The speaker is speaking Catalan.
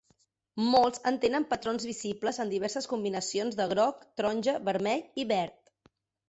Molts en tenen patrons visibles en diverses combinacions de groc, taronja, vermell i verd.